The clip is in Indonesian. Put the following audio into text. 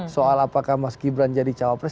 soal apakah mas gibran jadi cawapres